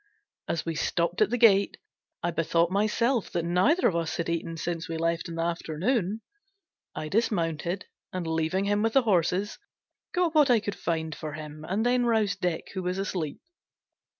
As we stopped at the gate I bethought myself that neither of us had eaten since we left in the afternoon. I dismounted, and leaving him with the horses, got what I could find for him, and then roused Dick, who was asleep.